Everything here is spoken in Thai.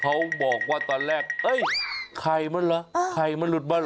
เขาบอกว่าตอนแรกเอ้ยไข่มันเหรอไข่มันหลุดมาเห